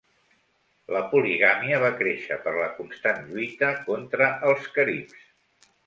La poligàmia va créixer per la constant lluita contra els caribs.